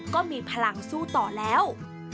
ก็มีพลังสู้ต่อแล้ว